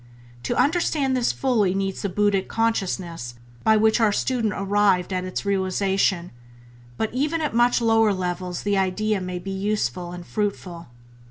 To understand this fully needs the buddhic consciousness by which our student arrived at its realization; but even at much lower levels the idea may be useful and fruitful.